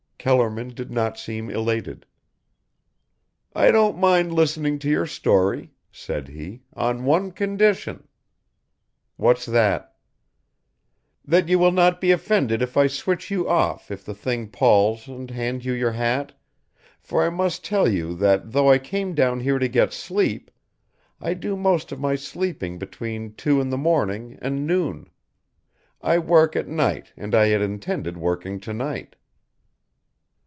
Kellerman did not seem elated. "I don't mind listening to your story," said he, "on one condition." "What's that?" "That you will not be offended if I switch you off if the thing palls and hand you your hat, for I must tell you that though I came down here to get sleep, I do most of my sleeping between two in the morning and noon. I work at night and I had intended working to night."